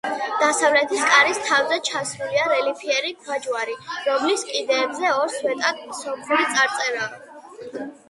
დასავლეთის კარის თავზე ჩასმულია რელიეფური ქვაჯვარი, რომლის კიდეებზე ორ სვეტად სომხური წარწერაა.